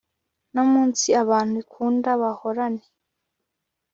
no munsi abantu ikunda bahorane